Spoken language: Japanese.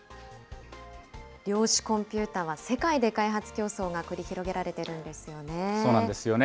量子コンピューターは世界で開発競争が繰り広げられているんそうなんですよね。